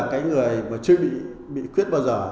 cái người mà chưa bị khuyết bao giờ